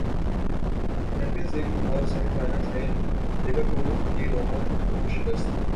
champions league football semi final میں Liverpool کی روما کو شکست